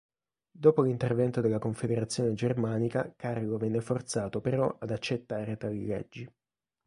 Dopo l'intervento della Confederazione Germanica, Carlo venne forzato però ad accettare tali leggi.